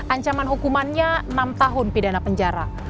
ancaman hukumannya enam tahun pidana penjara